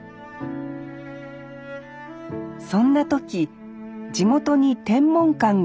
そんな時地元に天文館がオープン。